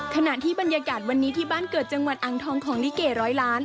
ขณะที่บรรยากาศวันนี้ที่บ้านเกิดจังหวัดอ่างทองของลิเกร้อยล้าน